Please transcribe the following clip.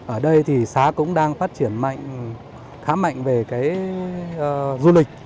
ở đây thì xá cũng đang phát triển khá mạnh về du lịch